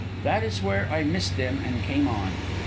That is where I missed them and came on.